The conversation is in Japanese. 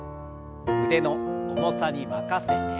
腕の重さに任せて。